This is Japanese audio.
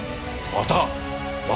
また。